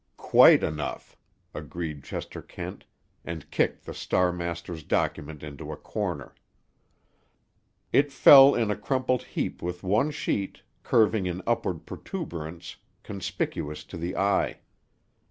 "Quite enough!" agreed Chester Kent, and kicked the Star master's document into a corner. It fell in a crumpled heap with one sheet, curving in upward protuberance, conspicuous to the eye.